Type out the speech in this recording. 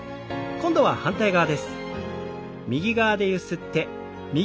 今度は反対側です。